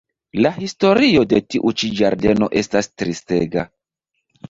La historio de tiu ĉi ĝardeno estas tristega.